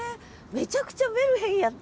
めちゃくちゃメルヘンやった。